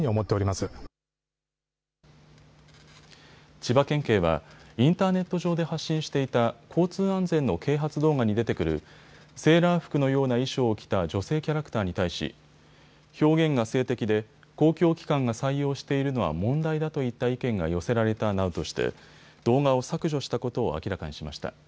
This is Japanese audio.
千葉県警はインターネット上で発信していた交通安全の啓発動画に出てくるセーラー服のような衣装を着た女性キャラクターに対し、表現が性的で公共機関が採用しているのは問題だといった意見が寄せられたなどとして動画を削除したことを明らかにしました。